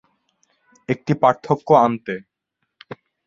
একটি পার্থক্য আনতে।